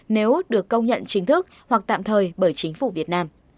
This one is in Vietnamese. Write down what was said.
nếu được công nhận chính thức hoặc tạm thời bởi chính phủ việt nam